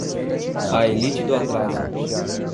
A elite do atraso